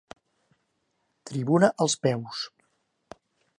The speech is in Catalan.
Tribuna als peus.